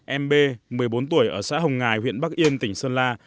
em b một mươi bốn tuổi ở xã hồng ngài huyện bắc yên tỉnh sơn la